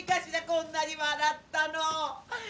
こんなに笑ったの。